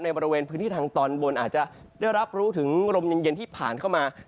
บริเวณพื้นที่ทางตอนบนอาจจะได้รับรู้ถึงลมเย็นที่ผ่านเข้ามา